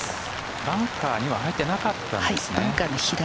バンカーには入ってなかったんですね。